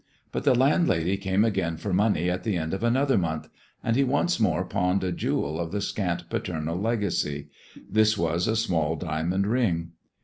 But the landlady came again for money at the end of another month, and he once more pawned a jewel of the scant paternal legacy; this was a small diamond ring.